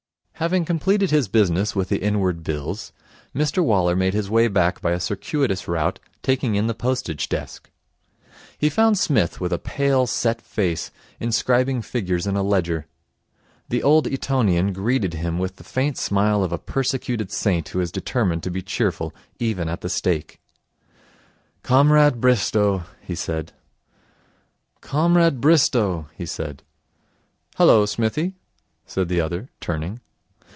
Having completed his business with the Inward Bills, Mr Waller made his way back by a circuitous route, taking in the Postage desk. He found Psmith with a pale, set face, inscribing figures in a ledger. The Old Etonian greeted him with the faint smile of a persecuted saint who is determined to be cheerful even at the stake. 'Comrade Bristow,' he said. 'Hullo, Smithy?' said the other, turning.